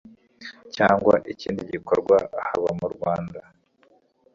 cyangwa ikindi gikorwa haba mu rwanda